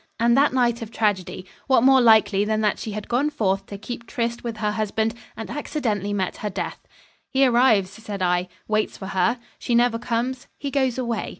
And that night of tragedy... What more likely than that she had gone forth to keep tryst with her husband and accidentally met her death? "He arrives," said I, "waits for her. She never comes. He goes away.